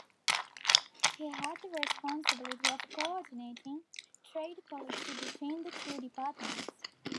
He had the responsibility of co-ordinating trade policy between the two departments.